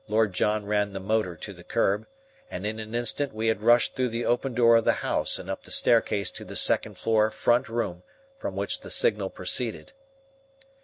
Lord John ran the motor to the curb, and in an instant we had rushed through the open door of the house and up the staircase to the second floor front room from which the signal proceeded.